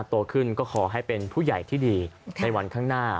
โตขึ้นก็ขอให้เป็นผู้ใหญ่ที่ดีในวันข้างหน้า